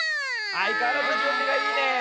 あいかわらずじゅんびがいいね。